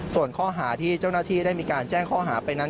ส่วนข้อหาที่เจ้าหน้าที่ได้มีการแจ้งข้อหาไปนั้น